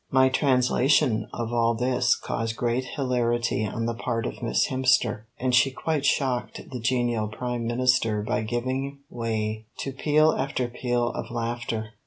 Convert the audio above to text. My translation of all this caused great hilarity on the part of Miss Hemster, and she quite shocked the genial Prime Minister by giving way to peal after peal of laughter.